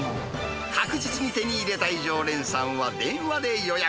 確実に手に入れたい常連さんは電話で予約。